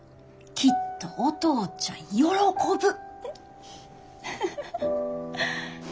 きっとお父ちゃん喜ぶ。